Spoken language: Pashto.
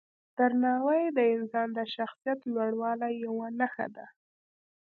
درناوی د انسان د شخصیت لوړوالي یوه نښه ده.